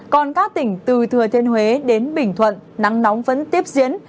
còn các tỉnh từ thừa thiên huế đến bình thuận nắng nóng vẫn tiếp diễn